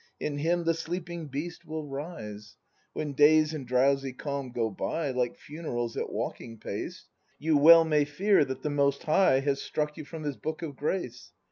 In him the sleeping beast will rise. When days in drowsy calm go by. Like funerals, at walking pace. You well may fear that the Most High Has struck you from His Book of Grace.